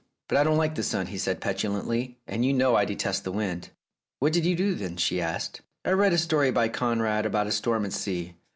"But I don't like the sun," said he petulantly, "and you know I detest the wind." "What did you do, then? " she asked. "I read a story by Conrad about a storm at sea.